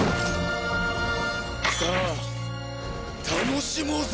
さあ楽しもうぜ！